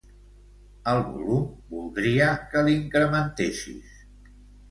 El volum, voldria que l'incrementessis.